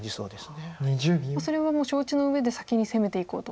それは承知のうえで先に攻めていこうと。